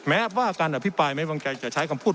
แม้ว่าการอภิปรายไม่วางใจจะใช้คำพูด